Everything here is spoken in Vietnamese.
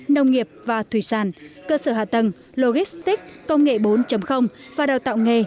nông nghiệp và thủy sản cơ sở hạ tầng logistic công nghệ bốn và đào tạo nghề